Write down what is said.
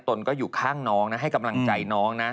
ตนก็อยู่ข้างน้องนะให้กำลังใจน้องนะ